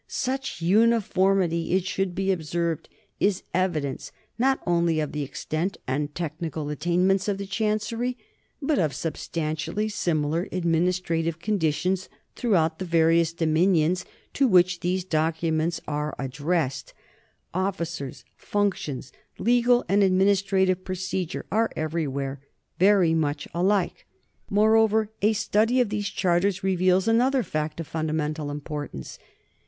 Such uniformity, it should be observed, is evidence not only of the extent and tech nical attainments of the chancery but of substantially similar administrative conditions throughout the vari ous dominions to which these documents are addressed : officers, functions, legal and administrative procedure are everywhere very much alike. Moreover, a study of 1 Recueil des actes de Henri II, Introduction, p. I ; cf. p. 151. 98 NORMANS IN EUROPEAN HISTORY these charters reveals another fact of fundamental im portance.